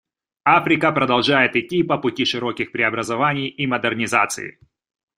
Африка продолжает идти по пути широких преобразований и модернизации.